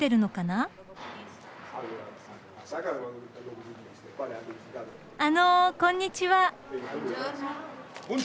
あのこんにちは。